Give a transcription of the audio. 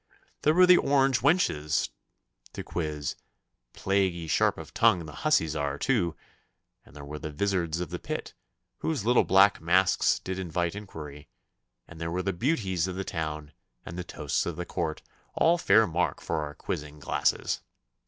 There were the orange wenches to quiz plaguey sharp of tongue the hussies are, too and there were the vizards of the pit, whose little black masks did invite inquiry, and there were the beauties of the town and the toasts of the Court, all fair mark for our quizzing glasses.